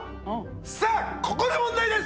さあここで問題です！